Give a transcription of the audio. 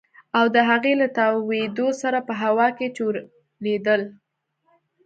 او د هغې له تاوېدو سره په هوا کښې چورلېدل.